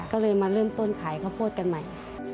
ก็เลยมาเริ่มต้นขายข้าวโพดกันใหม่